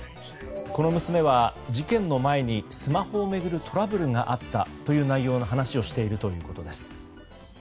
この娘は事件の前にスマホを巡るトラブルがあったという内容の話をしているということです。